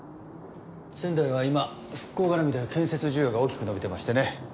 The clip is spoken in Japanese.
仙台は今復興絡みで建設需要が大きく伸びてましてね。